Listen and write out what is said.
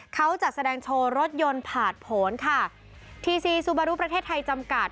เขาจัดแสดงโชว์รถยนต์ผ่านผลค่ะทีซีซูบารุประเทศไทยจำกัด